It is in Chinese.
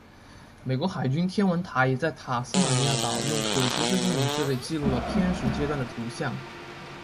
美国海军天文台也在塔斯马尼亚岛用可携式录影设备记录了偏食阶段的图像。